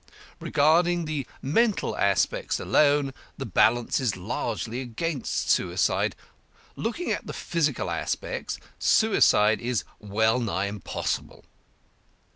Regarding the mental aspects alone, the balance is largely against suicide; looking at the physical aspects, suicide is well nigh impossible.